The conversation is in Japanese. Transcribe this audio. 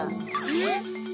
えっ！